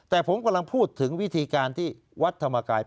แต่ผมกำลังพูดถึงวิธีการที่วัดธรรมกาย